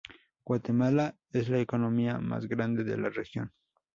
Guatemala es la economía más grande de la región.